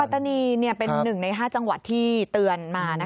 ปัตตานีเป็นหนึ่งใน๕จังหวัดที่เตือนมา